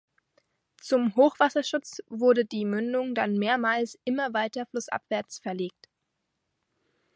Zum Hochwasserschutz wurde die Mündung dann mehrmals immer weiter flussabwärts verlegt.